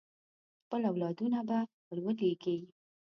خپل اولادونه به ور ولېږي.